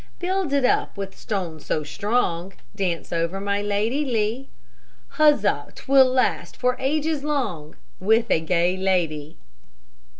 Build it up with stone so strong, Dance over my Lady Lee; Huzza! 'twill last for ages long, With a gay lady.